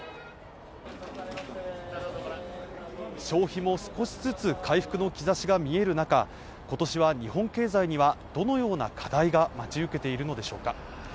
消費も少しずつ回復の兆しが見える中今年は日本経済にはどのような課題が待ち受けているのでしょうか